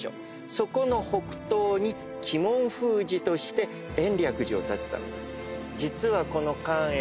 そこの北東に鬼門封じとして延暦寺を建てたんです。